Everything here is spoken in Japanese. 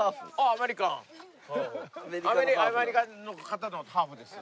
アメリカの方のハーフです。